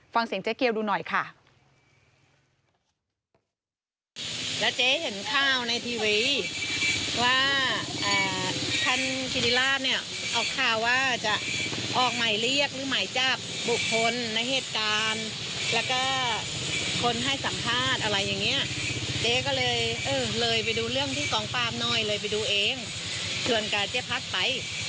ฟังเสียงเจ๊เกียวดูหน่อยค่ะ